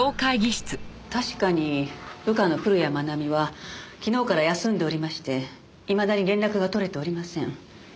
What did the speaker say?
確かに部下の古谷愛美は昨日から休んでおりましていまだに連絡が取れておりません。